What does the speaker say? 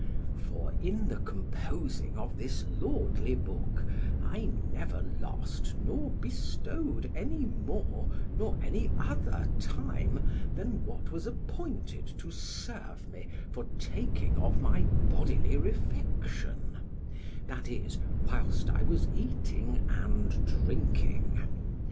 For in the composing of this lordly book, I never lost nor bestowed any more, nor any other time than what was appointed to serve me for taking of my bodily refection, that is, whilst I was eating and drinking.